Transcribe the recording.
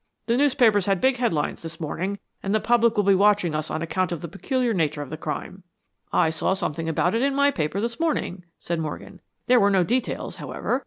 The newspapers had big headlines this morning, and the public will be watching us on account of the peculiar nature of the crime." "I saw something about it in my paper this morning," said Morgan. "There were no details, however.